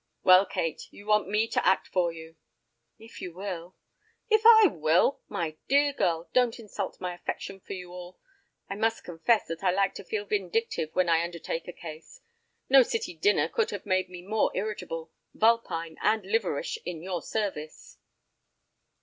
"Well, Kate, you want me to act for you." "If you will." "If I will? My dear girl, don't insult my affection for you all. I must confess that I like to feel vindictive when I undertake a case. No city dinner could have made me more irritable, vulpine, and liverish in your service."